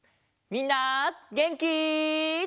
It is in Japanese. みんなげんき？